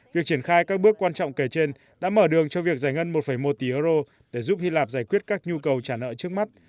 việc triển khai các bước quan trọng kể trên đã mở đường cho việc giải ngân một một tỷ euro để giúp hy lạp giải quyết các nhu cầu trả nợ trước mắt